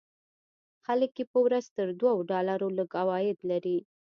خلک یې په ورځ تر دوو ډالرو لږ عواید لري.